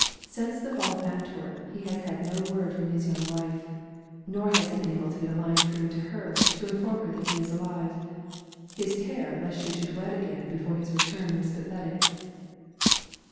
Since the fall of Antwerp he has had no word from his young wife, nor has he been able to get a line through to her to inform her that he is alive. His terror lest she should wed again before his return was pathetic.